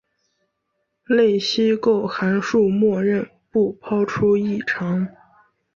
类析构函数默认不抛出异常。